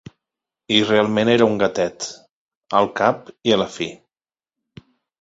I realment era un gatet, al cap i a la fi.